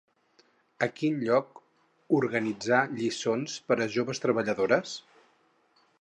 A quin lloc organitzà lliçons per a joves treballadores?